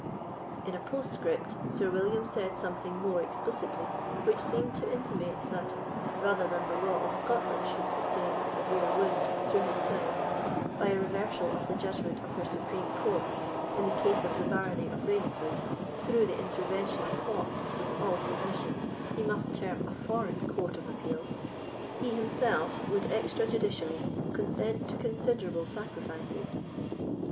In a postscript, Sir William said something more explicitly, which seemed to intimate that, rather than the law of Scotland should sustain a severe wound through his sides, by a reversal of the judgment of her supreme courts, in the case of the barony of Ravenswood, through the intervention of what, with all submission, he must term a foreign court of appeal, he himself would extrajudically consent to considerable sacrifices.